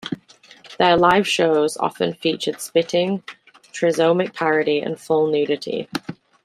Their live shows often featured spitting, trisomic parody, and full nudity.